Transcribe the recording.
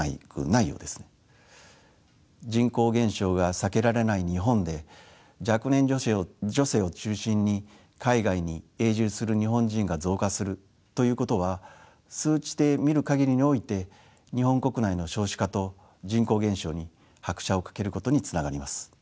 人口減少が避けられない日本で若年女性を中心に海外に永住する日本人が増加するということは数値で見る限りにおいて日本国内の少子化と人口減少に拍車をかけることにつながります。